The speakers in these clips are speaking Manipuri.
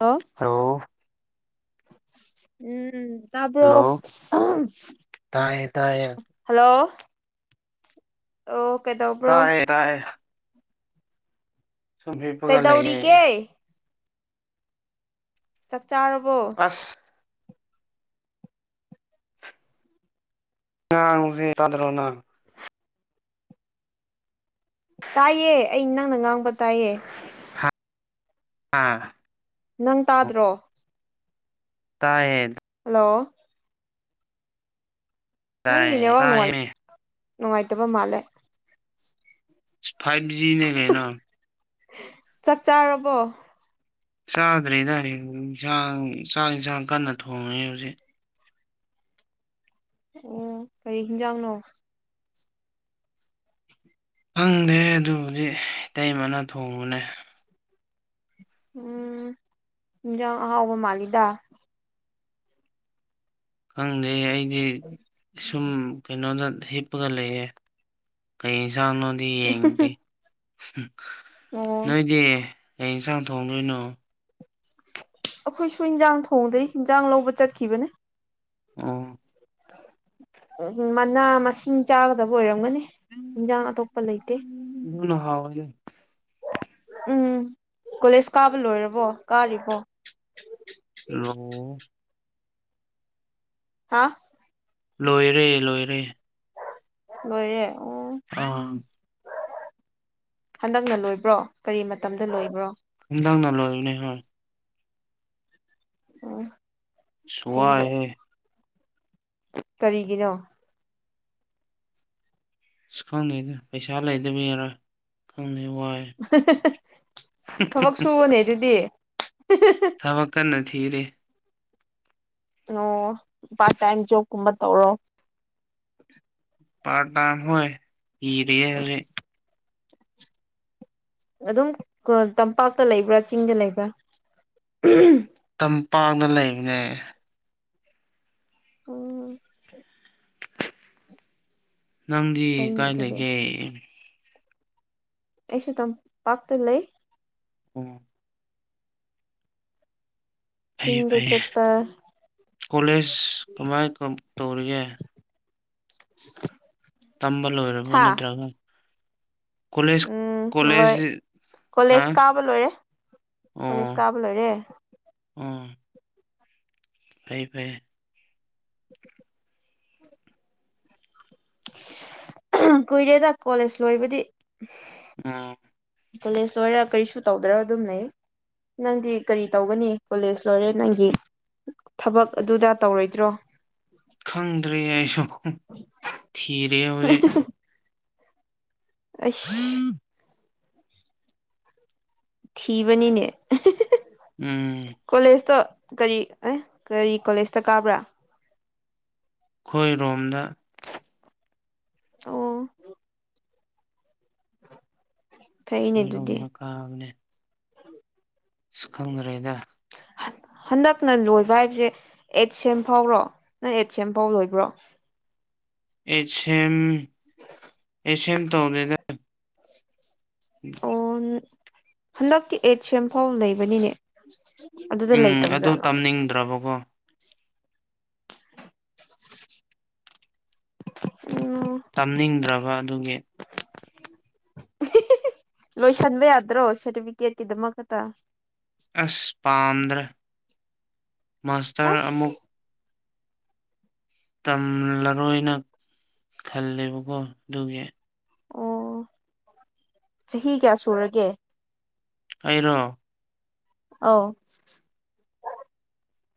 ꯍꯜꯂꯣ ꯎꯝ ꯇꯕ꯭ꯔꯣ ꯍꯜꯂꯣ ꯇꯥꯏꯌꯦ ꯇꯥꯏꯌꯦ ꯍꯜꯂꯣ ꯑꯣ ꯀꯦꯗꯧ ꯇꯥꯏꯌꯦ ꯇꯥꯏꯌꯦ ꯁꯨꯝ ꯍꯤꯞꯄꯒ ꯂꯩꯌꯦ ꯀꯩꯗꯧꯔꯤꯒꯦ ꯆꯥꯛ ꯆꯥꯔꯕꯣ ꯑꯁ ꯉꯥꯡꯁꯦ ꯇꯥꯗ꯭ꯔꯣꯅ ꯇꯥꯏꯌꯦ ꯑꯩ ꯅꯪꯅ ꯉꯥꯡꯕ ꯇꯥꯏꯌꯦ ꯍꯥ ꯅꯪ ꯇꯥꯗ꯭ꯔꯣ ꯇꯥꯏꯌꯦ ꯍꯜꯂꯣ ꯅꯪꯒꯤ ꯇꯥꯏꯌꯦ ꯅꯦꯠ ꯋꯥꯛ ꯇꯥꯏꯌꯦ ꯅꯨꯡꯉꯥꯏꯇꯕ ꯃꯥꯜꯂꯦ ꯐꯥꯏꯚ ꯖꯤꯅꯦꯒꯦꯅ ꯆꯥꯛ ꯆꯥꯔꯕꯣ ꯆꯥꯗ꯭ꯔꯦꯗ ꯍ ꯌꯦꯟꯁꯥꯡ ꯆꯥꯛ ꯌꯦꯟꯁꯥꯡ ꯀꯟꯅ ꯊꯣꯡꯉꯦ ꯍꯧꯖꯤꯛ ꯑꯣ ꯀꯔꯤ ꯍꯤꯟꯖꯥꯡꯅꯣ ꯈꯪꯗꯦ ꯑꯗꯨꯕꯨꯗꯤ ꯏꯇꯩ ꯃꯅꯥ ꯊꯣꯡꯕꯅꯦ ꯎꯝ ꯌꯦꯟꯖꯥꯡ ꯑꯍꯥꯎꯕ ꯃꯥꯜꯂꯤꯗ ꯈꯪꯗꯦ ꯑꯩꯗꯤ ꯁꯨꯝ ꯀꯩꯅꯣꯗ ꯍꯤꯞ ꯀꯞꯄꯒ ꯂꯩꯌꯦ ꯀꯩ ꯌꯦꯟꯁꯥꯡꯅꯣꯗꯤ ꯌꯦꯡꯗ꯭ꯔꯤ ꯎ ꯑꯣ ꯅꯣꯏꯗꯤ ꯀ ꯌꯦꯟꯁꯥꯡ ꯊꯣꯡꯗꯣꯏꯅꯣ ꯑꯩꯈꯣꯏꯁꯨ ꯌꯦꯟꯖꯥꯡ ꯊꯣꯡꯗꯩ ꯌꯦꯟꯖꯥꯡ ꯂꯧꯕ ꯆꯠꯈꯤꯕꯅꯦ ꯑꯣ ꯎ ꯃꯅꯥ ꯃꯁꯤꯡ ꯆꯥꯒꯗꯕ ꯑꯣꯏꯔꯝꯒꯅꯤ ꯏꯟꯖꯥꯡ ꯑꯇꯣꯞꯄ ꯂꯩꯇꯦ ꯑꯗꯨꯅ ꯍꯣꯎꯕꯅꯦ ꯎꯝ ꯀꯣꯂꯦꯖ ꯀꯥꯕ ꯂꯣꯏꯔꯕꯣ ꯀꯥꯔꯤꯕꯣ ꯔꯣ ꯍꯥ ꯂꯣꯏꯔꯦ ꯂꯣꯏꯔꯦ ꯂꯣꯏꯔꯦ ꯑꯥ ꯍꯟꯗꯛꯅ ꯂꯣꯏꯕ꯭ꯔꯣ ꯀꯔꯤ ꯃꯇꯝꯗ ꯂꯣꯏꯕ꯭ꯔꯣ ꯅꯪꯅ ꯂꯣꯏꯕꯅꯦ ꯍꯣꯏ ꯎꯝ ꯏꯁ ꯐꯩꯅꯦ ꯋꯥꯏꯍꯦ ꯀꯔꯤꯒꯤꯅꯣ ꯑꯁ ꯈꯪꯗꯦꯗ ꯄꯩꯁꯥ ꯂꯩꯇꯕꯩꯔ ꯈꯪꯗꯦ ꯋꯥꯏ ꯊꯕꯛ ꯁꯨꯋꯣꯅꯦ ꯑꯗꯨꯗꯤ ꯊꯕꯛ ꯀꯟꯅ ꯊꯤꯔꯤ ꯑꯣ ꯄ꯭ꯥꯔꯠ ꯇꯥꯏꯝ ꯖꯣꯞ ꯀꯨꯝꯕ ꯇꯧꯔꯣ ꯄ꯭ꯥꯔꯠ ꯇꯥꯏꯝ ꯍꯣꯏ ꯊꯤꯔꯤꯌꯦ ꯍꯧꯖꯤꯛ ꯑꯗꯨꯝ ꯇꯝꯄꯥꯛꯇ ꯂꯩꯕ꯭ꯔꯥ ꯆꯤꯡꯗ ꯂꯩꯕ꯭ꯔꯥ ꯇꯝꯄꯥꯛꯅ ꯂꯩꯕꯅꯦ ꯎꯝ ꯅꯪꯗꯤ ꯐꯩꯅꯦ ꯀꯥꯏ ꯑꯗꯨꯗꯤ ꯂꯩꯒꯦ ꯑꯩꯁꯨ ꯇꯝ ꯄꯥꯛꯇ ꯂꯩ ꯎꯝ ꯐꯩ ꯆꯤꯡꯗ ꯐꯩ ꯆꯠꯄ ꯀꯣꯂꯦꯖ ꯀꯃꯥꯏ ꯇꯧꯔꯤꯒꯦ [unintelligible] ꯇꯝꯕ ꯂꯣꯏꯔꯕꯣ ꯍꯥ ꯅꯠꯇ꯭ꯔꯒ ꯀꯣꯂꯦꯖ ꯎꯝ ꯂꯣꯏ ꯀꯣꯂꯦꯖ ꯍꯥ ꯀꯣꯂꯦꯖ ꯀꯥꯕ ꯂꯣꯏꯔꯦ ꯀꯣꯂꯦꯖ ꯀꯥꯕ ꯂꯣꯏꯔꯦ ꯎꯝ ꯐꯩ ꯐꯩ [unintelligible] ꯀꯨꯏꯔꯦꯗ ꯀꯣꯂꯦꯖ ꯂꯣꯏꯕꯗꯤ ꯎꯝ ꯀꯣꯂꯦꯖ ꯂꯣꯏꯔ ꯀꯔꯤꯁꯨ ꯇꯧꯗ꯭ꯔ ꯑꯗꯨꯝ ꯂꯩ ꯅꯪꯗꯤ ꯀꯔꯤ ꯇꯧꯒꯅꯤ ꯀꯣꯂꯦꯖ ꯂꯣꯏꯔꯦ ꯅꯪꯒꯤ ꯊꯕꯛ ꯑꯗꯨꯗꯥ ꯇꯧꯔꯣꯏꯗ꯭ꯔꯣ ꯈꯪꯗ꯭ꯔꯤ ꯑꯩꯁꯨ ꯊꯤꯔꯤ ꯍꯧꯖꯤꯛ ꯑꯩꯁ ꯎꯝ ꯊꯤꯕꯅꯤꯅꯦ ꯎꯝ ꯀꯣꯂꯦꯖꯇꯣ ꯀꯔꯤ ꯑꯦ ꯀꯔꯤ ꯀꯣꯂꯦꯖꯇ ꯀꯥꯕ꯭ꯔꯥ ꯑꯩꯈꯣꯏꯔꯣꯝꯗ ꯑꯣ ꯐꯩꯅꯦ ꯑꯗꯨꯗꯤ ꯑꯩꯈꯣꯏꯔꯣꯝꯗ ꯀꯥꯕꯅꯦ ꯑꯁ ꯈꯪꯗ꯭ꯔꯦꯗ ꯍꯟ ꯍꯟꯗꯛꯅ ꯂꯣꯏꯕ ꯍꯥꯏꯕꯁꯦ ꯑꯦꯠ ꯁꯦꯝ ꯐꯥꯎꯔꯣ ꯅꯪ ꯑꯦꯠ ꯁꯦꯝ ꯐꯥꯎ ꯂꯣꯏꯕ꯭ꯔꯣ ꯑꯦꯠ ꯁꯦꯝ ꯑꯦꯠ ꯁꯦꯝ ꯇꯧꯗꯦꯗ [unintelligible] ꯍꯟꯗꯛꯀꯤ ꯑꯦꯠ ꯁꯦꯝ ꯐꯥꯎ ꯂꯩꯕꯅꯤꯅꯦ ꯑꯗꯨꯗ ꯂꯩꯇꯕꯖꯥꯠꯂꯣ ꯅꯤꯡꯗ꯭ꯔꯕꯀꯣ ꯎꯝ ꯇꯝꯅꯤꯡꯗ꯭ꯔꯕ ꯑꯗꯨꯒꯤ ꯂꯣꯏꯁꯟꯕ ꯌꯥꯗ꯭ꯔꯣ ꯁꯥꯔꯇꯤꯐꯤꯀꯦꯠꯀꯤꯗꯃꯛ ꯈꯇ ꯑꯁ ꯄꯥꯝꯗ꯭ꯔꯦ ꯃꯥꯁꯇꯔ ꯑꯁ ꯑꯃꯨꯛ ꯇꯝꯂꯔꯣꯏꯅ ꯈꯜꯂꯦꯕꯀꯣ ꯑꯗꯨꯒꯤ ꯑꯣ ꯆꯍꯤ ꯀꯌꯥ ꯁꯨꯔꯒꯦ ꯑꯩꯔꯣ ꯑꯧ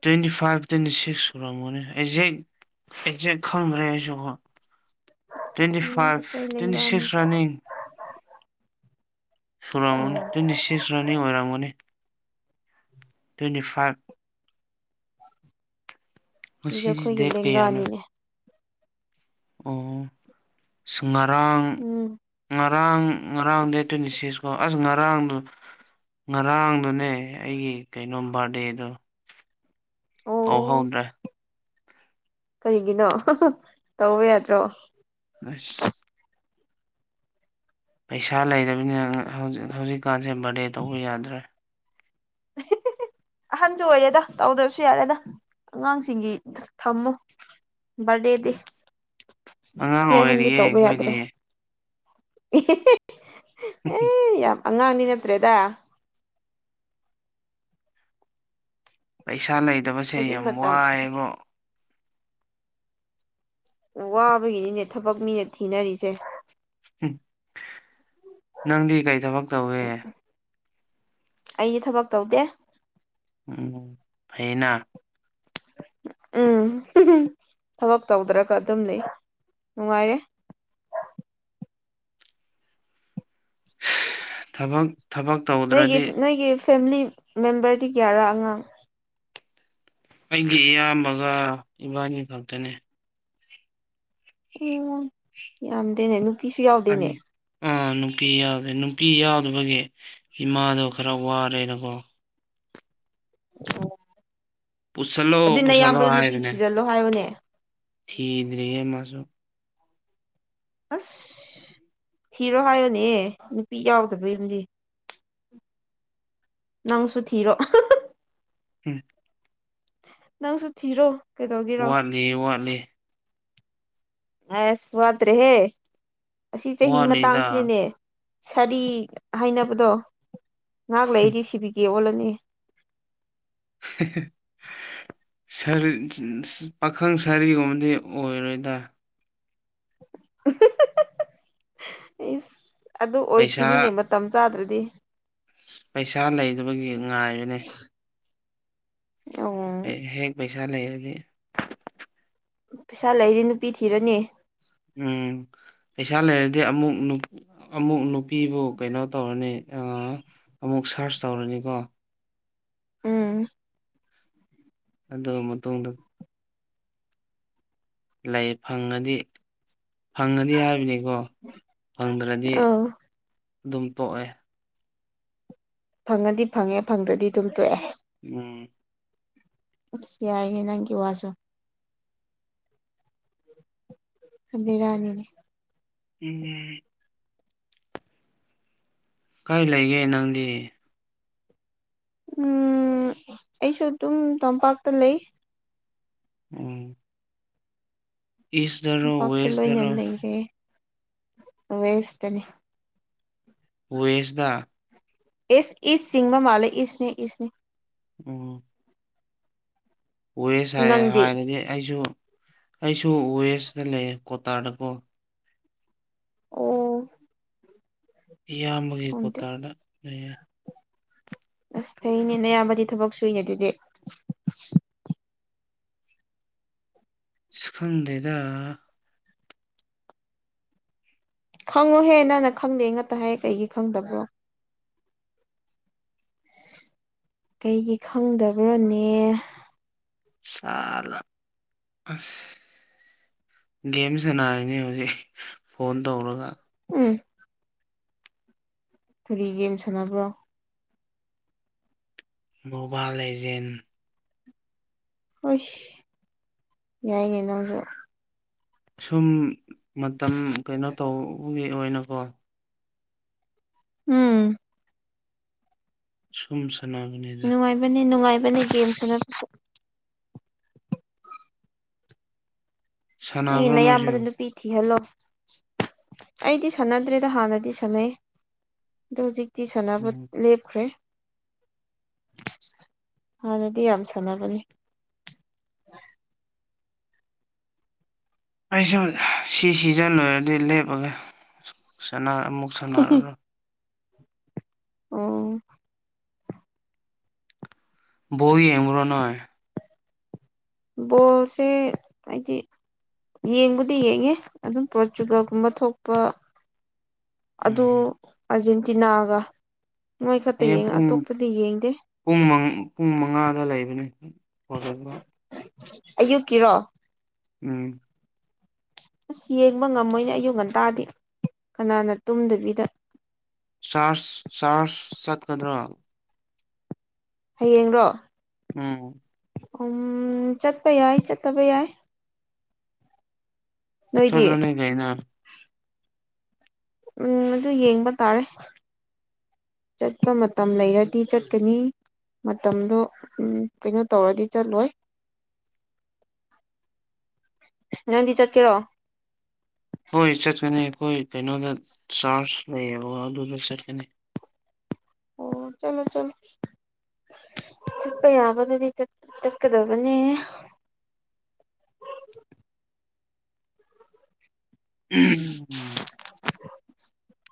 ꯇ꯭ꯋꯦꯟꯇꯤ ꯐꯥꯏꯚ ꯇ꯭ꯋꯦꯟꯇꯤ ꯁꯤꯛ ꯁꯨꯔꯝꯃꯅꯤ ꯑꯦꯛꯖꯦꯛ ꯑꯦꯛꯖꯦꯛ ꯈꯪꯗ꯭ꯔꯦ ꯍꯥꯏꯁꯨ ꯇ꯭ꯋꯦꯟꯇꯤ ꯎꯝ ꯐꯥꯏꯚ ꯑꯩꯈꯣꯏ ꯇ꯭ꯋꯦꯟꯇꯤ ꯂꯦꯡꯒꯥꯅꯦ ꯁꯤꯛꯁ ꯔꯅꯤꯡ ꯁꯨꯔꯃꯅꯤ ꯎꯝ ꯇ꯭ꯋꯦꯟꯇꯤ ꯁꯤꯛꯁ ꯔꯅꯤꯡ ꯑꯣꯏꯔꯝꯒꯅꯤ ꯇ꯭ꯋꯦꯟꯇꯤ ꯐꯥꯏꯚ ꯑꯗꯨꯗꯤ ꯉꯁꯤꯗꯤ ꯑꯩꯈꯣꯏꯒꯤ ꯗꯦꯠ ꯀꯌꯥꯅꯣ ꯂꯦꯡꯒꯥꯅꯤꯅꯦ ꯑꯣ ꯁꯨ ꯉꯔꯥꯡ ꯉ ꯎꯝ ꯉꯔꯥꯡ ꯉꯔꯥꯡ ꯗꯦꯠ ꯇ꯭ꯋꯦꯟꯇꯤ ꯁꯤꯛꯁꯀꯣ ꯑꯁ ꯉꯔꯥꯡꯗꯨ ꯉꯔꯥꯡꯗꯨꯅꯦ ꯑꯩꯒꯤ ꯀꯩꯅꯣꯝ ꯕꯥꯔꯗꯦꯗꯨ ꯑꯣ ꯀꯧꯍꯧꯗ꯭ꯔꯦ ꯀꯔꯤꯒꯤꯅꯣ ꯇꯧꯕ ꯌꯥꯗ꯭ꯔꯣ ꯑꯁ ꯄꯩꯁꯥ ꯂꯩꯇꯕꯅꯤꯅꯅꯦ ꯍꯧꯖꯤꯛꯀꯥꯟꯁꯦ ꯕꯥꯔꯗꯦ ꯇꯧꯕ ꯌꯥꯗ꯭ꯔꯦ ꯑꯦ ꯑꯍꯟꯖꯨ ꯑꯣꯏꯔꯦꯗ ꯇꯧꯗꯕꯁꯨ ꯌꯥꯔꯦꯗ ꯑꯉꯥꯡꯁꯤꯡꯒꯤ ꯊꯝꯃꯨ ꯕꯔꯗꯦꯗꯤ ꯑꯉꯥꯡ ꯈꯣꯏ ꯑꯍꯟꯗꯤ ꯑꯣꯏꯔꯤꯌꯦ ꯇꯧꯕ ꯑꯩꯈꯣꯏꯗꯤ ꯌꯥꯗ꯭ꯔꯦ ꯑꯦ ꯌꯥꯝ ꯑꯉꯥꯡꯗꯤ ꯅꯠꯇ꯭ꯔꯦꯗ ꯄꯩꯁꯥ ꯂꯩꯇꯕꯁꯦ ꯍꯧꯖꯤꯛ ꯌꯥꯝ ꯃꯇꯝ ꯋꯥꯏꯑꯕ ꯑꯣ ꯋꯥꯕꯒꯤꯅꯤꯅꯦ ꯊꯕꯛ ꯃꯤꯅꯦ ꯊꯤꯅꯔꯤꯁꯦ ꯎ ꯅꯪꯗꯤ ꯀꯩ ꯊꯕꯛ ꯇꯧꯋꯦ ꯑꯩꯗꯤ ꯊꯕꯛ ꯇꯧꯗꯦ ꯎꯝ ꯐꯩꯌꯦꯅ ꯎꯝ ꯊꯕꯛ ꯇꯧꯗ꯭ꯔꯒ ꯑꯗꯨꯝ ꯂꯩ ꯅꯨꯡꯉꯥꯏꯔꯦ ꯊꯕꯛ ꯊꯕꯛ ꯅꯣꯏꯒꯤ ꯇꯧꯗ꯭ꯔꯗꯤ ꯅꯣꯏꯒꯤ ꯐꯦꯃꯤꯂꯤ ꯃꯦꯝꯕꯔꯗꯤ ꯀꯌꯥꯔꯥ ꯑꯉꯥꯡ ꯑꯩꯒꯤ ꯏꯌꯥꯝꯕꯒ ꯏꯕꯥꯅꯤ ꯈꯛꯇꯅꯦ ꯎꯝ ꯌꯥꯝꯗꯦꯅꯦ ꯅꯨꯞ ꯑꯅꯤ ꯑꯥ ꯅꯨꯄꯤ ꯌꯥꯎꯗ꯭ꯔꯦ ꯅꯨꯄꯤ ꯌꯥꯎꯗꯕꯒꯤ ꯏꯃꯥꯗꯣ ꯈꯔ ꯋꯥꯔꯦꯗꯀꯣ ꯑꯣ ꯄꯨꯁꯜꯂꯑꯣ ꯄꯨꯁꯜꯂꯣ ꯍꯥꯢꯕꯅꯦ ꯊꯤꯖꯤꯜꯂꯣ ꯍꯥꯏꯌꯣꯅꯦ ꯊꯤꯗ꯭ꯔꯤꯌꯦ ꯃꯥꯁꯨ ꯑꯁ ꯊꯤꯔꯣ ꯍꯥꯢꯌꯣꯅꯦ ꯅꯨꯄꯤ ꯌꯥꯎꯗꯕꯩꯗꯨꯗꯤ ꯅꯪꯁꯨ ꯊꯤꯔꯣ ꯎꯝ ꯅꯪꯁꯨ ꯊꯤꯔꯣ ꯀꯩꯗꯧꯒꯤꯔꯣ ꯋꯥꯠꯂꯤ ꯋꯥꯠꯂꯤ ꯑꯁ ꯋꯥꯇ꯭ꯔꯦꯍꯦ ꯑꯁꯤ ꯆꯍꯤ ꯋꯥꯠꯂꯤꯗ ꯃꯇꯥꯡꯁꯤꯅꯤꯅꯦ ꯁꯥꯔꯤ ꯍꯥꯢꯅꯕꯗꯣ ꯉꯍꯥꯛ ꯂꯩꯒꯤ ꯁꯤꯕꯤꯒꯦ ꯑꯣꯜꯂꯅꯤ ꯍꯦꯍꯦ ꯁꯥꯔ ꯄꯥꯈꯪ ꯁꯥꯔꯤꯒꯨꯝꯕꯗꯤ ꯑꯣꯢꯔꯣꯢꯗ ꯏꯁ ꯑꯗꯨ ꯄꯩꯁꯥ ꯑꯣꯏꯈꯤꯅꯤꯅꯦ ꯃꯇꯝ ꯆꯥꯗ꯭ꯔꯗꯤ ꯄꯩꯁꯥ ꯂꯩꯇꯕꯒꯤ ꯉꯥꯏꯔꯦꯅꯦ ꯎꯝ ꯍꯦꯛ ꯍꯦꯛ ꯄꯩꯁꯥ ꯂꯩꯔꯒꯦ ꯄꯩꯁꯥ ꯂꯩꯗꯤ ꯅꯨꯄꯤ ꯊꯤꯔꯅꯤ꯫ ꯎꯝ ꯄꯩꯁꯥ ꯂꯩꯔꯗꯤ ꯑꯃꯨꯛ ꯅꯨ ꯑꯃꯨꯛ ꯅꯨꯄꯤꯕꯨ ꯀꯩꯅꯣ ꯇꯧꯔꯅꯤ ꯑꯃꯨꯛ ꯁꯥꯔꯁ ꯇꯧꯔꯅꯤꯀꯣ꯫ ꯎꯝ꯫ ꯑꯗꯨ ꯃꯇꯨꯡꯗ꯫ ꯂꯩ ꯐꯪꯉꯗꯤ ꯐꯪꯉꯗꯤ ꯍꯥꯏꯕꯅꯤꯀꯣ ꯐꯪꯗ꯭ꯔꯗꯤ꯫ ꯑꯧ ꯑꯗꯨꯝ ꯇꯣꯛꯑꯦ꯫ ꯐꯪꯉꯗꯤ ꯐꯪꯉꯦ ꯐꯪꯗ꯭ꯔꯗꯤ ꯑꯗꯨꯝ ꯇꯣꯛꯑꯦ꯫ ꯎꯝ꯫ ꯑꯁ ꯌꯥꯏ ꯅꯪꯒꯤ ꯋꯥꯁꯨ꯫ ꯕꯦꯔꯅꯤꯅꯤ ꯎꯝ꯫ ꯀꯩ ꯂꯩꯒꯦ ꯅꯪꯗꯤ꯫ ꯎꯝ ꯑꯩꯁꯨ ꯑꯗꯨꯝ ꯇꯣꯝꯄꯥꯛꯇ ꯂꯩ꯫ ꯎꯝ꯫ ꯏꯁꯇꯔꯣ ꯇꯝꯄꯥꯛꯇ ꯂꯣꯏꯅ ꯋꯦꯁꯇꯔꯣ ꯂꯩꯔꯦ ꯋꯦꯁꯇꯅꯤ꯫ ꯋꯦꯁꯗ꯫ ꯑꯦ ꯏꯁ ꯁꯤꯡꯃ ꯃꯥꯂ ꯂꯩ ꯏꯁꯅꯦ ꯏꯁꯅꯤ ꯎꯝ꯫ ꯋꯦꯁ ꯍꯥꯏꯔ ꯅꯪꯗꯤ ꯍꯥꯏꯔꯗꯤ ꯑꯩꯁꯨ ꯑꯩꯁꯨ ꯋꯦꯁꯇ ꯂꯩꯌꯦ ꯀꯇꯥꯔꯗꯀꯣ꯫ ꯑꯣ꯫ ꯏꯌꯥꯝꯕꯒꯤ ꯈꯪꯗꯦ ꯀꯣꯇꯥꯔꯗ ꯂꯩꯌꯦ꯫ ꯑꯁ ꯐꯩꯅꯦ ꯅꯌꯥꯝꯕꯗꯤ ꯊꯕꯛ ꯁꯨꯏꯅꯦ ꯑꯗꯨꯗꯤ꯫ ꯑꯁ ꯈꯪꯗꯦꯗ ꯈꯪꯉꯣꯍꯦ ꯅꯪꯅ ꯈꯪꯗꯦ ꯉꯥꯛꯇ ꯍꯥꯏꯌꯦ ꯀꯩꯒꯤ ꯈꯪꯗꯕ꯭ꯔꯣ꯫ ꯀꯩꯒꯤ ꯈꯪꯗꯕ꯭ꯔꯅꯦ ꯁꯥꯂ ꯑꯁ ꯒꯦꯝ ꯁꯥꯅꯥꯔꯤꯅꯤ ꯍꯧꯖꯤꯛ ꯐꯣꯟ ꯇꯧꯔꯒ꯫ ꯎꯝ꯫ ꯀꯔꯤꯒꯦꯝ ꯁꯥꯟꯅꯕ꯭ꯔꯣ꯫ ꯕꯣꯕꯥ ꯂꯤꯏꯖꯦꯟ ꯎꯁ ꯌꯥꯏꯌꯦ ꯅꯪꯁꯨ ꯁꯨꯝ ꯃꯇꯝ ꯀꯩꯅꯣ ꯇꯧꯕꯒꯤ ꯑꯣꯏꯅꯀꯣ꯫ ꯎꯝ꯫ ꯁꯨꯝ ꯁꯅꯥꯃꯤꯅꯗ꯫ ꯕꯅꯤ ꯅꯨꯡꯉꯥꯏꯕꯅꯦ ꯒꯦꯝ [unintelligible] ꯅꯩꯒꯤ ꯁꯥꯟꯅꯕ꯭ꯔꯣ ꯅꯣꯏꯁꯨ ꯅꯌꯥꯝꯕꯗꯣ ꯅꯨꯄꯤ ꯊꯤꯍꯜꯂꯣ꯫ ꯑꯩꯗꯤ ꯁꯥꯟꯅꯗ꯭ꯔꯦꯗ ꯍꯥꯟꯅꯗꯤ ꯁꯥꯟꯅꯩ ꯑꯗꯣ ꯍꯧꯖꯤꯛ꯫ ꯇꯤ ꯁꯥꯟꯅꯕ ꯎꯝ ꯂꯦꯞꯈ꯭ꯔꯦ꯫ ꯍꯥꯟꯗꯤ ꯌꯥꯝ ꯁꯥꯟꯅꯕꯅꯤ ꯑꯩꯁꯨ ꯁꯤ ꯁꯤꯖꯥꯟ ꯂꯣꯏꯔꯗꯤ ꯂꯦꯞꯑꯒꯦ ꯁꯥꯟꯅ ꯑꯃꯨꯛ ꯁꯥꯟꯅꯔꯔꯣꯏ ꯑꯣ꯫ ꯕꯣꯜ ꯌꯦꯡꯕꯔꯣ ꯅꯣꯏ꯫ ꯕꯣꯜꯁꯦ ꯍꯥꯏꯗꯤ꯫ ꯌꯦꯡꯕꯨꯗꯤ ꯌꯦꯡꯉꯦ ꯑꯗꯨꯝ ꯄꯣꯔꯇꯨꯒꯜꯒꯨꯝꯕ ꯊꯣꯛꯄ ꯑꯗ‌ꯣ ꯎꯝ ꯑꯔꯖꯦꯟꯇꯤꯅꯥꯒ ꯃ‌ꯣꯏ ꯈꯛꯇ ꯍꯌꯦꯡ ꯌꯦꯡꯉ‌ꯦ ꯄꯨꯡ ꯑꯇꯣꯞꯄꯗꯤ ꯌꯦꯡꯗꯦ ꯄꯨꯡ ꯄꯨꯡ ꯃꯉꯥꯗ ꯂꯩꯕꯅꯤ ꯑꯌꯨꯛꯀꯤꯔꯣ ꯎꯝ ꯑꯁ ꯌꯦꯡꯕ ꯉꯝꯃꯣꯏꯅꯦ ꯑꯌꯨꯛ ꯉꯟꯇꯥꯗꯤ ꯀꯅꯥꯅ ꯇꯨꯝꯗꯕꯤꯗ ꯆꯔꯁ ꯆꯔꯁ ꯆꯠꯀꯗ꯭ꯔꯣ ꯍꯌꯦꯡꯔꯣ ꯎꯝ ꯎꯝ ꯆꯠꯄ ꯌꯥꯏ ꯆꯠꯇꯕ ꯌꯥꯏ ꯅꯣꯏꯗꯤ ꯆꯠꯂ‌ꯣꯅ‌ꯦ ꯀꯩꯅ‌ꯣ ꯎꯝ ꯑꯗꯨ ꯌꯦꯡꯕ ꯇꯥꯔꯦ ꯆꯠꯄ ꯃꯇꯝ ꯂꯩꯔꯗꯤ ꯆꯠꯀꯅꯤ ꯃꯇꯝꯗꯣ ꯎꯝ ꯀꯩꯅꯣ ꯇꯧꯔꯗꯤ ꯆꯠꯂꯣꯏ [inaudible] ꯅꯪꯗꯤ ꯆꯠꯀꯦꯔꯣ ꯍꯣꯏ ꯆꯠꯀꯅꯤ ꯑꯩꯈꯣꯏ ꯀꯩꯅꯣꯗ ꯆꯥꯔꯖ ꯂꯩꯌꯦꯕ ꯑꯗꯨꯗ ꯆꯠꯀꯅꯤ ꯑꯣ ꯆꯠꯂꯣ ꯆꯠꯂꯣ ꯆꯠꯄ ꯌꯥꯕꯗꯗꯤ ꯆꯠꯀꯗꯕꯅꯦ ꯎꯝ [unintelligible]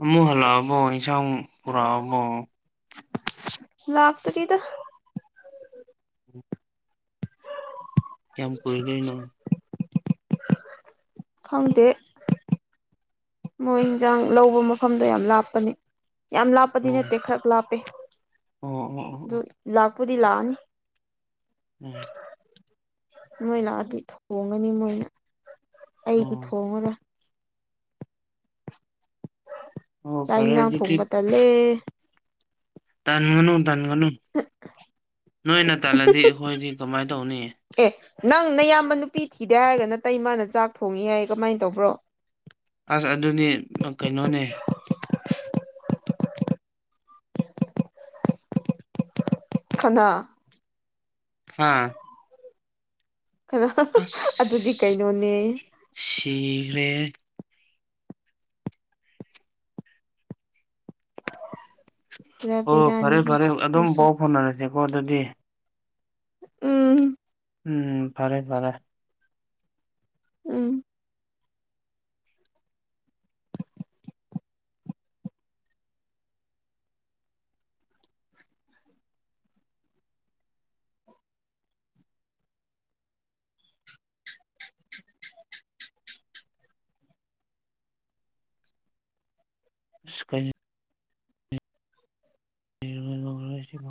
ꯑꯃꯨꯛ ꯍꯜꯂꯛꯑꯕꯣ ꯏꯟꯁꯥꯡ ꯄꯨꯔꯛꯑꯕꯣ ꯂꯥꯛꯇ꯭ꯔꯤꯗ ꯀꯌꯥꯝ ꯀꯨꯏ ꯗ‌ꯣꯏꯅꯣ ꯈꯪꯗꯦ ꯃꯣꯏ ꯏꯟꯁꯥꯡ ꯂꯧꯕ ꯃꯐꯝꯗꯣ ꯌꯥꯝ ꯂꯥꯞꯄꯅꯤ ꯌꯥꯝ ꯂꯥꯞꯄꯗꯤ ꯑꯣ ꯅꯠꯇꯦ ꯈꯔ ꯂꯥꯞꯄꯦ ꯑꯣ ꯑꯣ ꯑ ꯑꯗꯨ ꯑ ꯂꯥꯛꯄꯨꯗꯤ ꯂꯥꯛꯑ ꯅꯤ ꯎꯝ ꯃꯣꯏ ꯂꯥꯛꯑꯗꯤ ꯊꯣꯡꯉꯅꯤ ꯃꯣꯏꯅ ꯑꯩꯗꯤ ꯑꯣ ꯊꯣꯡꯉꯔ‌ꯣꯏ ꯑꯣ ꯆꯥꯛ ꯐꯔꯦ ꯏꯦꯟꯁꯥꯡ ꯑꯗꯨꯗꯤ ꯊꯣꯡꯕ ꯇꯜꯂꯦ ꯇꯟꯒꯅꯨ ꯇꯟꯒꯅꯨ ꯅꯣꯏꯅ ꯇꯜꯂꯗꯤ ꯑꯩꯈꯣꯏꯗꯤ ꯀꯃꯥꯏꯅ ꯇꯧꯅꯤ ꯑꯦ ꯅꯪ ꯅꯌꯥꯝꯕ ꯅꯨꯄꯤ ꯊꯤꯗꯦ ꯍꯥꯏꯔꯒ ꯅꯇꯩꯃꯅ ꯆꯥꯛ ꯊꯣꯡꯉꯤ ꯍꯥꯏ ꯀꯃꯥꯏꯅ ꯇꯧꯕ꯭ꯔꯣ ꯑꯁ ꯑꯗꯨꯅꯤ ꯀꯩꯅꯣꯅꯦ ꯀꯅꯥ ꯍꯥ ꯈꯔ ꯑꯗꯨꯗꯤ ꯀꯩꯅꯣꯅꯦꯌ‌ꯦ ꯁꯤꯒ꯭ꯔꯦ ꯕꯦꯔꯥ ꯑꯣ ꯐꯔꯦ ꯕꯦꯔꯥꯅꯤꯍꯦ ꯐꯔꯦ ꯑꯗꯨꯝ ꯅꯪꯁꯨ ꯄꯥꯎ ꯐꯥꯎꯅꯔꯁ‌ꯦꯀꯣ ꯑꯗꯨꯗꯤ ꯎꯝ ꯎꯝ ꯐꯔꯦ ꯐꯔꯦ ꯎꯝ ꯀꯩ [unintelligible]